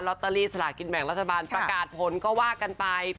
ตอรี่สลากินแบ่งรัฐบาลประกาศผลก็ว่ากันไป